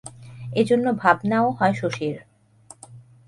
এজন্য ভাবনাও হয় শশীর।